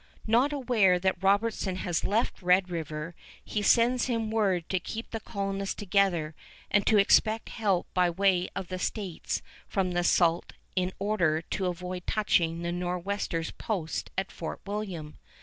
Not aware that Robertson has left Red River, he sends him word to keep the colonists together and to expect help by way of the states from the Sault in order to avoid touching at the Nor'westers' post at Fort William.